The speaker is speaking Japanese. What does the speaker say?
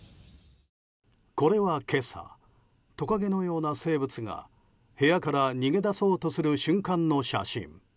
これは今朝トカゲのような生物が部屋から逃げ出そうとする瞬間の写真。